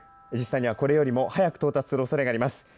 実際には、これよりも早く到達するおそれがります